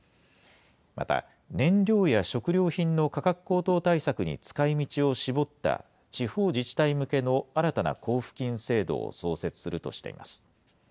また、燃料や食料品の価格高騰対策に使いみちを絞った、地方自治体向けの新たな交付金制度を創設するとしています。